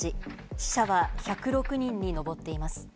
死者は１０６人に上っています。